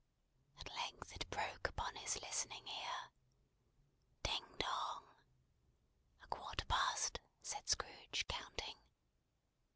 At length it broke upon his listening ear. "Ding, dong!" "A quarter past," said Scrooge, counting.